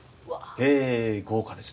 へえ豪華ですね。